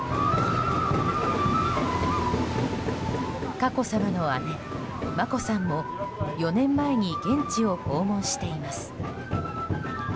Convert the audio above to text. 佳子さまの姉・眞子さんも４年前に現地を訪問しています。